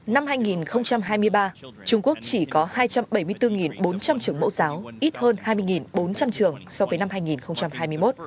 năm hai nghìn hai mươi ba trung quốc chỉ có hai trăm bảy mươi bốn bốn trăm linh trường mẫu giáo ít hơn hai mươi bốn trăm linh trường so với năm hai nghìn hai mươi một